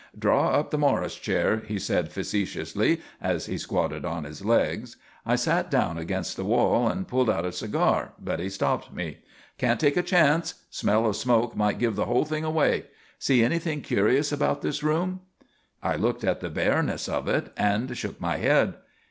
"Draw up the Morris chair," he said facetiously, as he squatted on his legs. I sat down against the wall and pulled out a cigar but he stopped me. "Can't take a chance. Smell of smoke might give the whole thing away. See anything curious about this room?" I looked at the bareness of it and shook my head.